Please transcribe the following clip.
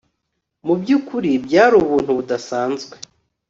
mu byukuri byari ubuntu budasanzwe